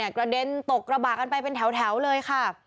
กระเด็นตกกระบะกันไปเป็นแถวเลยค่ะ